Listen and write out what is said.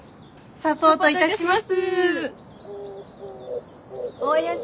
サポートいたします。